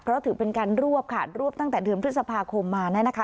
เพราะถือเป็นการรวบค่ะรวบตั้งแต่เดือนพฤษภาคมมานะคะ